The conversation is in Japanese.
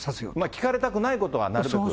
聞かれたくないことはなるべく。